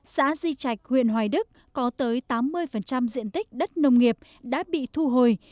xã di trạch huyện hoài đức có tới tám mươi diện tích đất nông nghiệp đã bị thu hồi